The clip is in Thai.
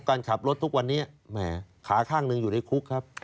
การขับรถทุกวันนี้แหมขาข้างหนึ่งอยู่ในคุกครับ